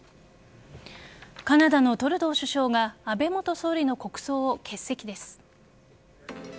カナダのトルドー首相が安倍元総理の国葬を欠席です。